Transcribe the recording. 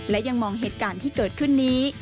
และยังมองเหตุการณ์ที่เกิดขึ้นนี้